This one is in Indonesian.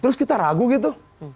terus kita ragu gitu